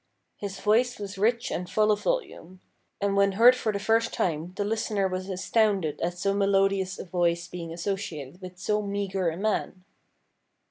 His voice was rich and full of volume. And when heard for the first time the listener was astounded at so melodious a voice being associated with so meagre a man.